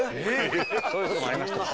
そういう事もありましたね。